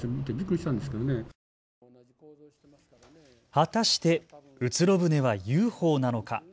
果たしてうつろ舟はＵＦＯなのか。